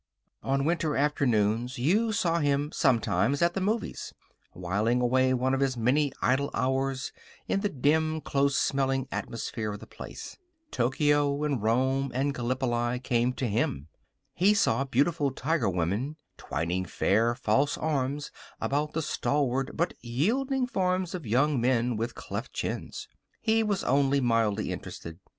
On winter afternoons you saw him sometimes at the movies, whiling away one of his many idle hours in the dim, close smelling atmosphere of the place. Tokyo and Rome and Gallipoli came to him. He saw beautiful tiger women twining fair, false arms about the stalwart but yielding forms of young men with cleft chins. He was only mildly interested.